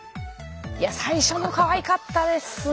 最初のかわいかったですね。